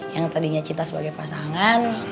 yang tadinya cita sebagai pasangan